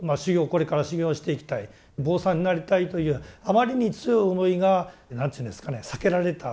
これから修行をしていきたいお坊さんになりたいというあまりに強い思いが何ていうんですかね避けられた。